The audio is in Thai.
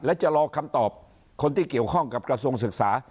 และจะรอคำตอบคนที่เกี่ยวข้องกับกระทรวงศึกษา